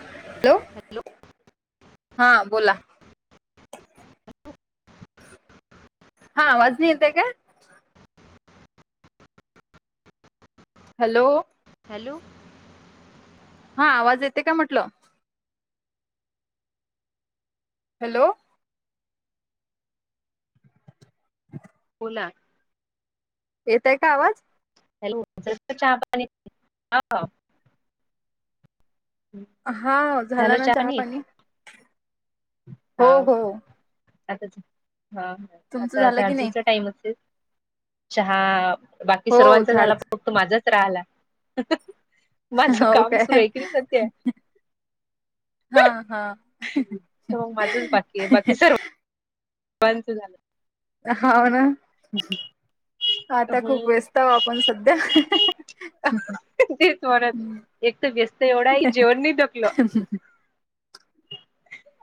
Hello? Hello? हा, बोला. हा आवाज नाही येत आहे काय? हॅलो! हॅलो! हा आवाज येते का म्हटलं. हॅलो! [inaudible] बोला. येतय का आवाज? हॅलो! झाल का चहा पाणी? हा हा झाला ना चहा पाणी? हा हो हो आता. आता छा - हा तुमचं आता झालं की नाही झाडजूचा टाइम असेल. चहा बाकी हो सर्वांचा झाड झाला फ तो माझाच राहिलाय. माझं हो काम सुरू काय आहे की नाही सध्या हा हा तर मग माझंच [unintelligible] बंच झालाय. हाव ना? आता खूप हम्म वेस् त आपण सध्या ते च परत एक तर व्यस्त एवढाय जीवन नाही थकलं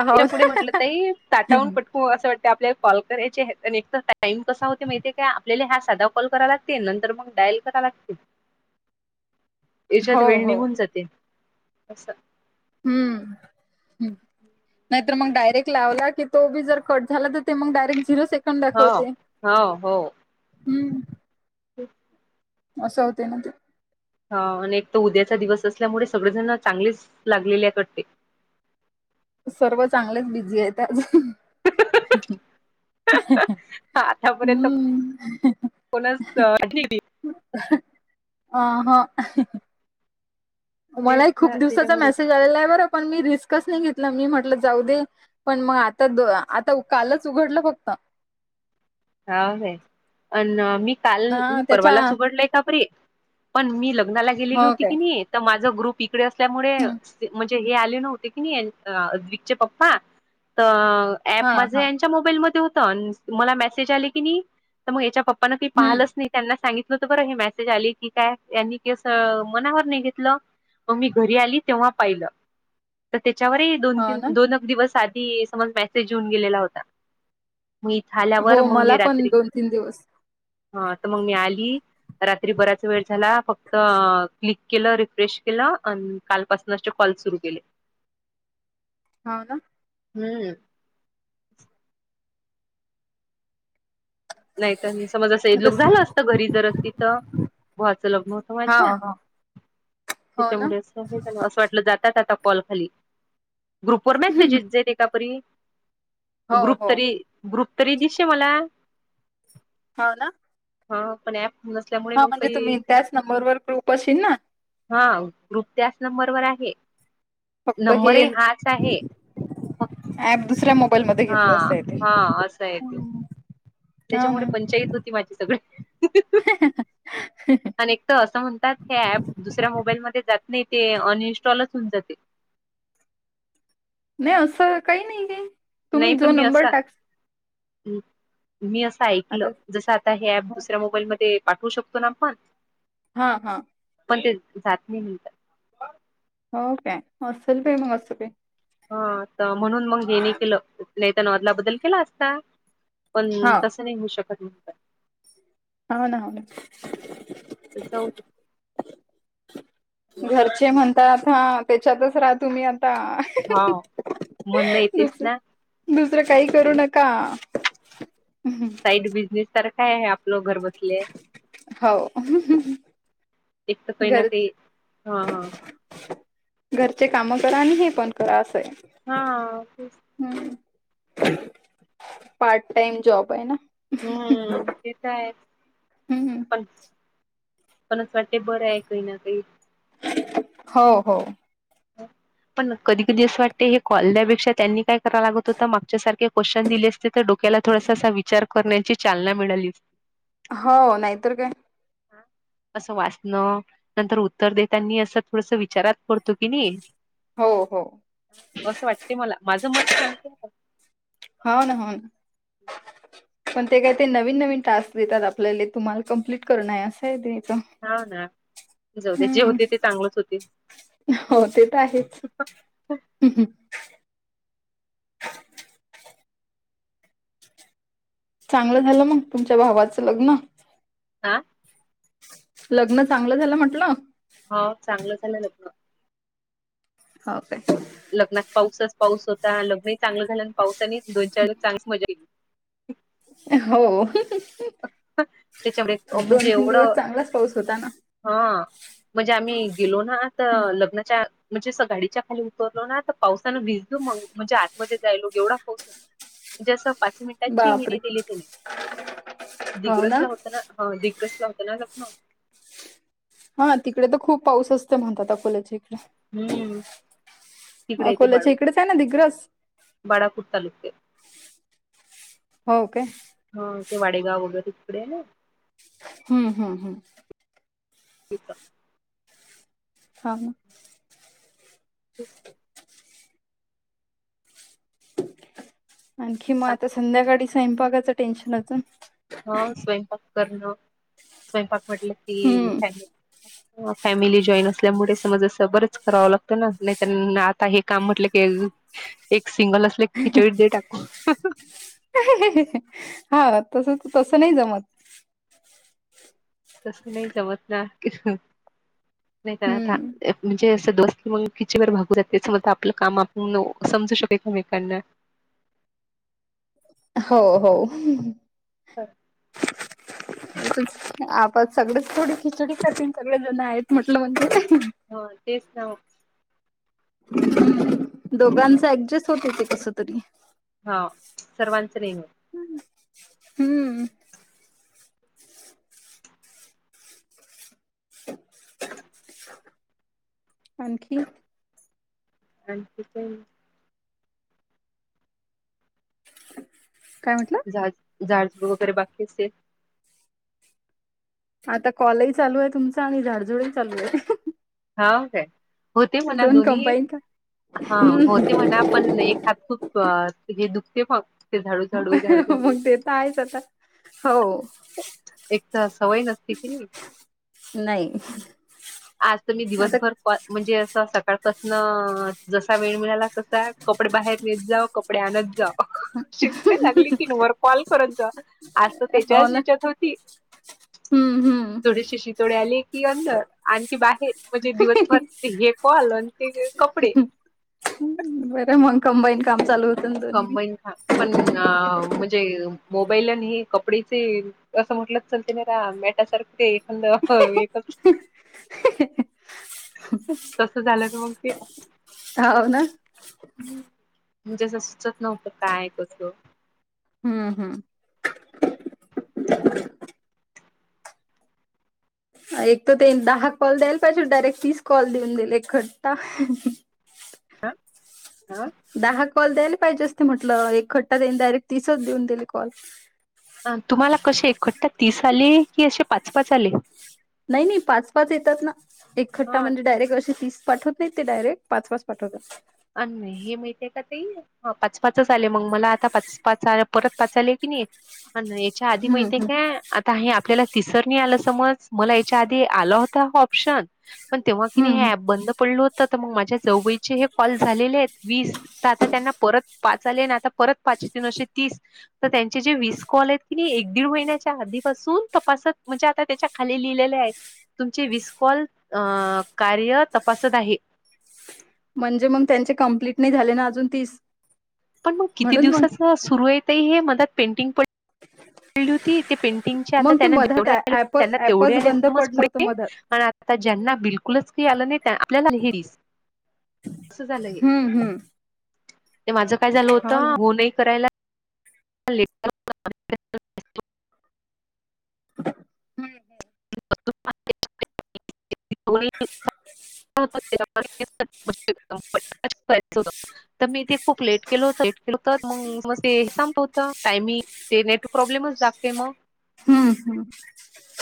हो त्याच्या पुढे म्हटलं ताई ताटावरुन पटक हो असं वाटत आपल्याला कॉल करायचे. एकतर टाइम कसा होते माहितीय काय? आपल्याला हा साधा कॉल करायला - ते नंतर मग डायल करा लागते. हो येच्यात वेळ हो निघून जाते अस. नाही तर मग डायरेक्ट लावला की तो बी जर कट झाला तर ते मग डायरेक्ट झिरो सेक् कंद हो दाखवते हो हो हम्म. [inaudible] अस होते ना ते ह आणि एक तर उद्याचा दिवस असल्यामुळे सगळेजण चांगलेच लागलेले आहेत वाटते. सर्व चांगलेच बिझी आहेत आज. [unintelligible] आतापर्यंत हम्म. [inaudible] कोणाच - ठिकय अ ह तेच मलाही खूप ना दिवसाचा त्याच्यामुळे मेसेज आलेला आहे बरं. पण मी रिस्कच नाही घेतलं. मी म्हटलं जाऊ दे, पण मग आता द आता कालच उघडलं फक्त. हाव काय? अन मी काल हा मी त्याच्या परवालाच उघडलय कापरे पण मी लग्नाला गेलेली हो होती काय की नाही, तर माझ ग्रुप इकडे असल्यामुळे हम्म. चे हे आले नव्हते की नै, अ आद्विक चे पप्पा तर एप हा माझे हा च्या मोबाईल मधे होत अन् मला मेसेज आल की नाही, तर मग याच्या पप्पा काही हम्म पाहिलंच नाही. त्यांना सांगित तल बर हे मेसेज आली की काय? यांनी ते अस मनावर नाही घेतलं. मग मी घरी आली तेव्हा पाहिलं तर त्याच्यावरही दोन हो तीन ना - दोनच दिवस आधी समज मेसेज येऊन गेलेला होता. मी इथ आल्या आल्यावर हो मग मला पण दोन -तीन दिवस. हा तर मग मी आली. रात्री बराच वेळ झाला. फक्त क्लिक केलं. रिफ्रेश केलं आन् कालपासून कॉल सुरू केले. हाव ना. हम्म. नायत समज असं एद आता लोक स- झालं असतं, घरी जर असती त भावाच लग्न होत हा माझ्या, हो हो ना त्याच्यामुडेच संगीता ला असं वाटलं जातात आता कॉल खाली ग्रुप वर मेसेजेस जे देतां परी, हो ग्रुप हो तरी, ग्रुप तरी दिसे मला हो ना. हा, पण ऍप नसल्याम हा म्हणजे तुम्ही त्याच नंबरवर ग्रुप अशेन ना हा ग्रुप त्याच नंबरवर आहे, फक्त हे नंबर ही हाच आहे. फक् ऍप दुसऱ्या मोबाईलमध्ये हा घेतलं असं आहे ते हा, असं आय ते हाव त्याच्यामुळे ना पंचायत होती माझी सगळी, आणि त असं म्हणतात हे ऍप दुसऱ्या मोबाईलमध्ये जात नाही ते, अनइन्स्टॉलच होऊन जाते. नाय असं काई नाई ये. नाही पण मी असा, मी असं ऐकलं आता जस आ आता हे ऍप दुसऱ्या मोबाईलमध्ये पाठवू शकतो ना आपण हा हा पण ते जात नाही म्हणतात. हो काय, असेल काय मग अस काय हा, त म्हणून मग हेे नाय केलं, नायत ता न आदला बद्दल केला असता. पण, हा तसं नाही होऊ शकत म्हणतात. हाव ना हाव ना. तर जाऊ दे. घरचे म्हणतात हां त्याच्यातच राहा तुम्ही आता हाव, म्हणल येतेस दुस ना दुसरं काही करू नका एक बिझनेस सारखं हाय ये आपलं घर बसल्या हो एक तर काही ना काही हा घरच घरचे कामं करा, आणि हे पण करा, असंय. हा, तेच हम्म, पार्ट टाइम जॉब आय ना. हम्म ते त आहेच हम्म पण पण असं वाटतय बरंय कई ना कई हो हो. पण कधी कधी असं वाटतय हे कोल्ल्यापेक्षा त्यांनी काय करा लागत होत मागच्यासारखे क्वेशन दिले असते त डोक्याला थोडासा असा विचार करण्याची चालना मिळाली अ हो नाहीतर काय हा. असं वासणं नंतर उत्तर देेतानी असं थोडंसं विचारात पडतो की नी हो हो. असं वाटते मला माझं मत सांगते मी हाव न हाव न पण ते काय, ते नवीन नवीन टास्क देतात आपल्याला, तुम्हाला कंप्लीट करणय असंय तेच हाव ना, जाऊदे जे होते ते चांगलच होते. हो ते तर आहेच. [unintelligible] चांगलं झालं मंग तुमच्या भावाचं लग्न? आ लग्न चांगलं झालं म्हंटलं. हो चांगलं झालं लग्न. हो काय. लग्नात पाऊसचं पाऊस होता, लग्नही चांगलं झालं आणि पावसाने दोन चार दिवस चांगलीच मजा केली. हो, त्याच्यामुळे दोन म्हणजे तीन दिवस एवढं चांगलाच पाऊस होता ना. हा म्हणजे आम्ही गेलो ना त लग्नाच्या म्हणजे असं गाडीच्या खाली उतरलो ना त पावसानं भिजलो मंग म्हणजे आतमध्ये जायलो एवढा पाऊस होता. म्हणजे असं पाच मिनिटांची हे बापरे नाय दिली त्यानी [inaudible] दिग्रस ला होतं ना ह दिगंस ला होतं ना लग्न. हा तिकडे त खूप पाऊस असतो म्हणतात अकोल्याच्या इकडे. हम्म अकोल्याच्या इकडेच हाय ना दिग्रस. बाडापूर तालुक्ये हो काय हा ते वाडेगाव वगैरे तिकडे हाय ना हम्म हम्म हम्म. तिथं. हां ना तेचं आणखी म सांग आता संध्याकाडी स्वयंपाकाचं टेन्शन अजून हो स्वयंपाक करणं, स्वयंपाक म्हटलं की हम्म फॅमिली हो फॅमिली जॉईन असल्यामुळे समज असं बरंच करावं लागतं ना नाय त आता हे काम म्हटलं की, एक सिंगल असले खिचडी दे टाकून. हा तसंचं तसं नाही जमत. तसं नाही जमत ना, [unintelligible] नाय त हम्म. म्हणजे दोस् की मंग खिची वर भागू जातय, समज ज आपलं काम आपण समजू शक एकमेकांना हो हो. [unintelligible] मी तुमच संग आप आता सगळेच थोडी खिचडी करतीन सगळे जण आहेत म्हटलं म्हणजे हो तेच ना ओ दोघांच ऍडजस्ट होते ते कसतरी सर्वांच नाही होतं. हुंहू हम्म आणखी आणखी काय नई काय म्हटला? झाड झाडझुड वगैरे बाकी असेल? चं आता कॉलही चालूय तुमचा आणि झाडझुडही चालूय हाव काय होते म्हणा दोन दोन्ही कंबाईन का हा हम्म होते म्हणा पण एक हात खूप हा ते हे दुखते बघ ते झाडू झाडू झाडू झाडू मग ते तर आहेच आता हो एक त सवय नसती कीनी नाई आज त मी दिवसभर म्हणजे असं सकाळ पासनं जसा वेळ मिळाला तसा कपडे बाहेर नेत जाव कपडे आणत जा शिकणे लागली की न वर कॉल करत जा. आज तर हो त्याच्याच ना हीच्यात होती, हम्म हम्म थोडीशी शितोडे आली कि अंदर. आणखी बाहेर म्हणजे दिवसभर ते हे पॉल आणि ते कपडे. बरं मग कंबाईन काम चालूय. कंबाईन ह पण म्हणजे मोबाईल आणि हे कपडेचे. असं म्हटलं तर ते जरा मॅटासारखे. [unintelligible] हो एक, तस झालं तर मग ते. हाव ना. म्हणजे असं सुचत नव्हतं काय, कसं? हम्म हम्. एक तर ते दहा कॉल द्यायल पाहिजे डायरेक्ट तीस कॉल देईल एकखट्टा. हां, हां. दहा काॅ कॉल द्यायला पाहिजे असते म्हटलं एकखट्टा त्यांनी डायरेक्ट तीसच देऊन दिले कॉल. तुम्हाला कसे एकखट्टा तीस आले की अशे नाही नाही पाच पाच येतात ना एक खट्टा हां. म्हणजे डायरेक्ट असे तीस पाठवत नाही ते डायरेक्ट पाच-पाच पाठवतात. आणि हे माहितय का ते हा पाच-पाच आले मग मला आता पाच-पाच परत पाच आले की नाही? पण याच्या आधी हम्म माहितीय हम्म काय? आता हे आपल्याला तिसरणी आलं समज मला याच्या आधी आला होता ऑप्शन. पण तेव्हा की हम्म नाही हम्म हे ऍप बंद पडलं होतं तर मग माझ्या जावूबाईचे हे कॉल झालेलेयत वीस. तर आता त्यांना परत पाच आले ना आणि आता परत पाच येतीन अशे तीस तर त्यांचे जे वीस कॉल आहेत की नी एक दीड महिन्याच्या आधीपासून तपासत म्हणजे आता त्याच्या खाली लिहिलेले आहे तुमचे वीस कॉल अ कार्य तपासत आहे. म्हणजे मग त्यांचे कंमप्लीट नाही झाले ना अजून तीस पण मग किती म्हणून मग दिवसा सुरू य ते हे म पेंडिग पड [unintelligible] ती पेंडिगचे आता मग ते त्यांना मधात जेवढे आलेत ऍप त्यांना तेवढे ऍपच बंद आलेत आता पडलं होतं पुढे मधात आता ज्यांना बिलकुलच काही आलं नाही आले आपल्याला हेरीस. असं झालं हे, हम्म हम्म ते माझ काय झालं होत हाव ना हो नाही करायला ले [unintelligible] [inaudible] हम्म. [unintelligible] [inaudible] [unintelligible] तर मी ते खूप लेट केलं होत लेट केलं होत मग मी, मग ते संपत होतं टायमिंग. ते नेट प्रॉब्लेमच दाखते मग, हम्म हम्म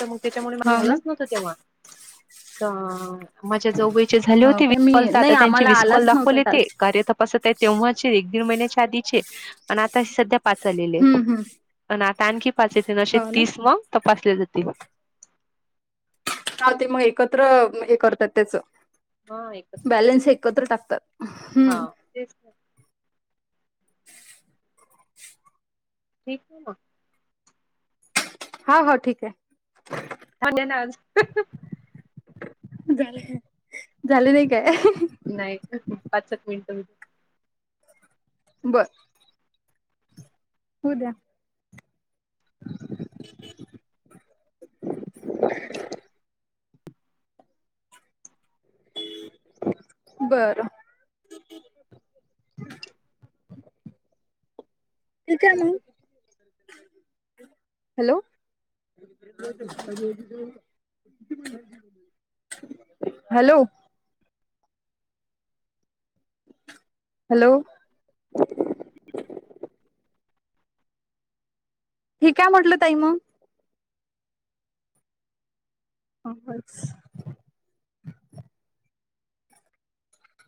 तर मग त्याच्यामुळे माझ हाव ना झालंच नव्हतं ते. तेव्हा दहा माझ्या जाऊबाईचे झाले हो होते वीस काय मी कॉल तर आता नाही त्यांचे आम्हाला वीस कॉल आलाच नव्हता दाखवले तेे टास्क कार्य तपासत आहे. तेव्हाचे एक दीड महिन्याच्या आधीचे आणि आता सध्या पाच आलेले आहेत हम्म हम्म आणि आता आणखी पाचचे असे हो ना तीस मग तपासले जातील. हा ते मग एकत्र हे करतात त्याचं. हा एकत्र बॅलेन्स एकत्र टाकतात‌. हा हम्म, तेच. ठीक आ हा हा ठीक आहे. [unintelligible] झालं, झाले नाही काय? नाही पाच-सात मिनिटं. बरं होऊद्या. [inaudible] [unintelligible] बरं. कीती आणि. हॅलो! [unintelligible] हॅलो! हॅलो! मी का म्हटलं ताई मग? हो बस.